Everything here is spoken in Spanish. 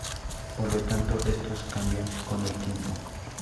Por lo tanto estos cambian con el tiempo.